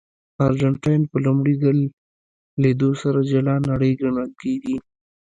ارجنټاین په لومړي ځل لیدو سره جلا نړۍ ګڼل کېږي.